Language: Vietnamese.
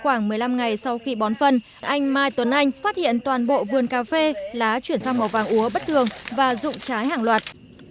khoảng một mươi năm ngày sau khi bón phân anh mai tuấn anh phát hiện toàn bộ vườn cà phê lá chuyển sang màu vàng úa bất thường và rụng trái hàng loạt